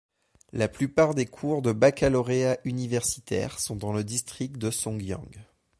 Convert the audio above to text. La plupart des cours de baccalauréat universitaire sont dans le district de Songjiang.